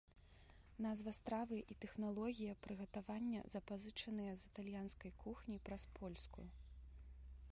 Назва стравы і тэхналогія прыгатавання запазычаныя з італьянскай кухні праз польскую.